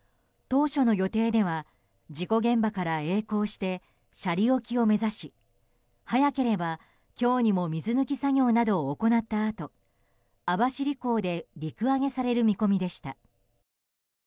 当初の予定では事故現場からえい航して斜里沖を目指し早ければ今日にも水抜き作業などを行ったあと網走港で陸揚げされる見込みでした。